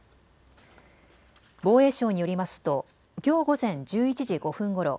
防衛省によりますときょう午前１１時５分ごろ